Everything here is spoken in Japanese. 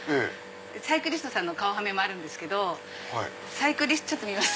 サイクリストさんの顔はめもあるんですけどちょっと見ます？